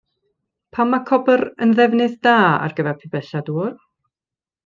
Pam mae copr yn ddefnydd da ar gyfer pibellau dŵr?